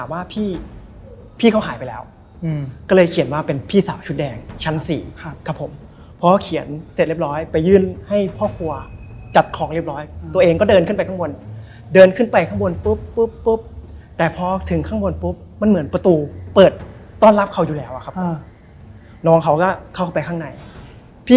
ไม่ได้พี่ไปคนเดียวไม่ได้